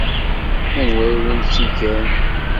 Anwa i wen-tt-igan?